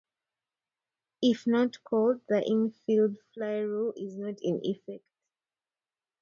If not called, the infield fly rule is not in effect.